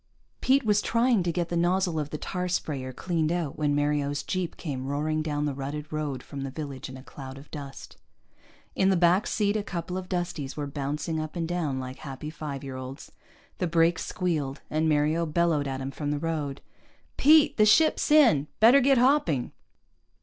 Pete was trying to get the nozzle of the tar sprayer cleaned out when Mario's jeep came roaring down the rutted road from the village in a cloud of dust. In the back seat a couple of Dusties were bouncing up and down like happy five year olds. The brakes squealed and Mario bellowed at him from the road. "Pete! The ship's in! Better get hopping!"